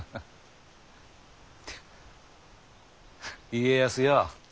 家康よ